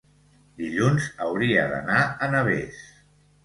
dilluns hauria d'anar a Navès.